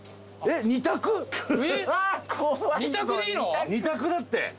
伊達：２択だって。